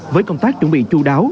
với công tác chuẩn bị chú đáo